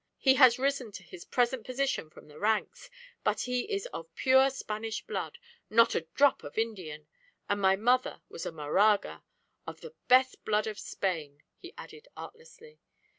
He has risen to his present position from the ranks, but he is of pure Spanish blood, not a drop of Indian; and my mother was a Moraga, of the best blood of Spain," he added artlessly.